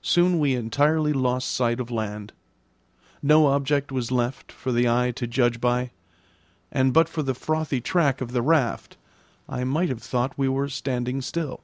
Soon we entirely lost sight of land; no object was left for the eye to judge by, and but for the frothy track of the raft, I might have thought we were standing still.